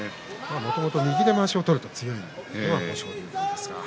もともと右でまわしを取ると強い豊昇龍です。